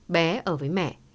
bé ở với mẹ